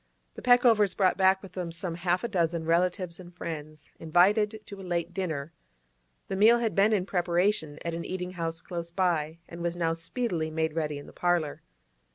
The Peckovers brought back with them some half a dozen relatives and friends, invited to a late dinner. The meal had been in preparation at an eating house close by, and was now speedily made ready in the parlour.